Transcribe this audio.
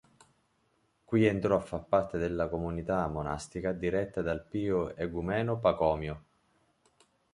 Qui entrò a far parte della comunità monastica diretta dal pio egumeno Pacomio.